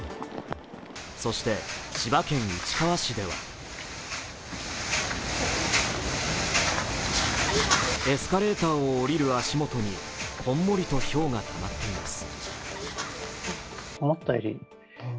そして千葉県市川市ではエスカレーターを降りる足元にこんもりとひょうがたまっています。